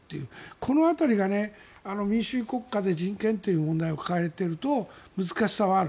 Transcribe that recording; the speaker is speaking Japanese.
この辺りが民主主義国家で人権という問題を抱えていると難しさはある。